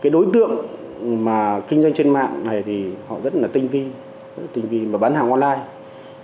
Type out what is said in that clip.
đối tượng mà kinh doanh trên mạng này thì họ rất là tinh vi tinh vi mà bán hàng online